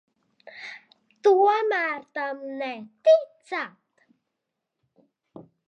Tomēr tam neticat?